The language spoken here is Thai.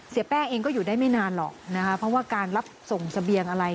เสียแป้งเองก็อยู่ได้ไม่นานหรอกนะคะเพราะว่าการรับส่งเสบียงอะไร